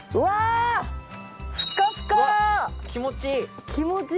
わっ気持ちいい！